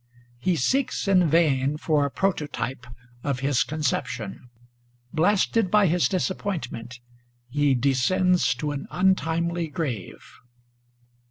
He seeks in vain for a prototype of his conception. Blasted by his disappointment, he descends to an untimely grave.